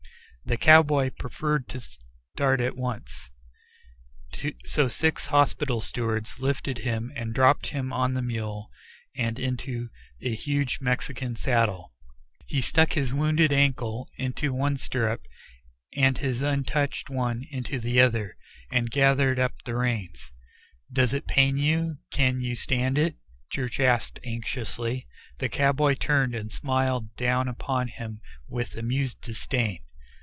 The cowboy preferred to start at once, so six hospital stewards lifted him and dropped him on the mule, and into a huge Mexican saddle. He stuck his wounded ankle into one stirrup, and his untouched one into the other, and gathered up the reins. "Does it pain you? Can you stand it?" Church asked anxiously. The cowboy turned and smiled down upon him with amused disdain.